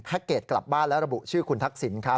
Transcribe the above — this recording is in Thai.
เกจกลับบ้านและระบุชื่อคุณทักษิณครับ